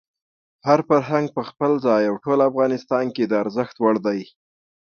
هر فرهنګ په خپل ځای او ټول افغانستان کې د ارزښت وړ دی.